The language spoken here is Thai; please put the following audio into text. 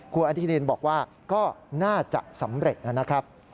คุณอธินินบอกว่าก็น่าจะสำเร็จนะครับ